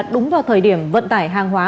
đúng vào thời điểm vận tải hàng hóa